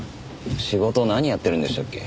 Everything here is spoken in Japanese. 仕事何やってるんでしたっけ？